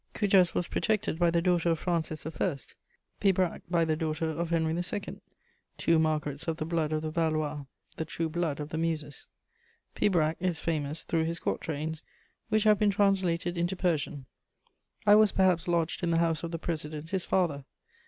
Cujas was protected by the daughter of Francis I., Pibrac by the daughter of Henry II.: two Margarets of the blood of the Valois, the true blood of the Muses. Pibrac is famous through his quatrains, which have been translated into Persian. I was perhaps lodged in the house of the president his father.